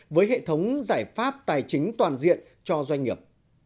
với hệ thống giải pháp tài chính toàn diện cho doanh nghiệp